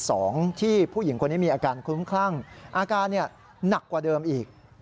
สองที่ผู้หญิงคนนี้มีอาการคลุ้มคลั่งอาการหนักกว่าเดิมอีก